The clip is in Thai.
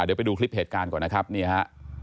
เดี๋ยวไปดูคลิปเหตุการณ์ก่อนนะครับนี่ฮะ